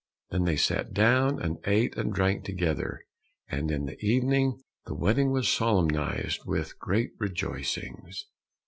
Then they sat down and ate and drank together, and in the evening the wedding was solemnized with great rejoicings.